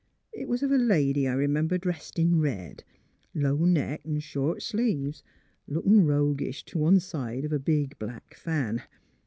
It was of a lady, I r 'member, drest in red, low neck an ' short sleeves, lookin' roguish t' one side of a big black fan.